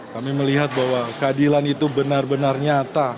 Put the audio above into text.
kami melihat bahwa keadilan itu benar benar nyata